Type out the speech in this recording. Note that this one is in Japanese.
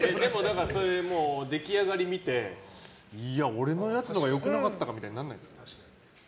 出来上がり見ていや、俺のやつのほうが良くなかったかみたいにならないんですか。